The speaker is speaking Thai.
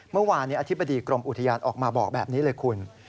เมื่อวานอธิบดีกรมอุทยานออกมาบอกแบบนี้เลยคุณ